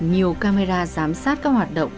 nhiều camera giám sát các hoạt động